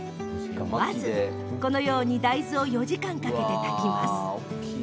まずは、大豆を４時間かけて炊きます。